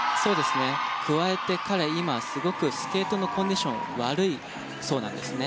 加えて彼、今スケートのコンディション悪いそうなんですね。